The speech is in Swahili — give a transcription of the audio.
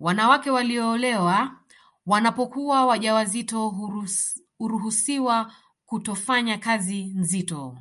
Wanawake walioolewa wanapokuwa waja wazito huruhusiwa kutofanya kazi nzito